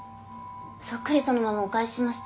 そっくりそのままお返ししました。